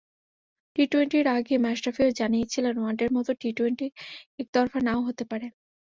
টি-টোয়েন্টির আগে মাশরাফিও জানিয়েছিলেন, ওয়ানডের মতো টি-টোয়েন্টি একতরফা না-ও হতে পারে।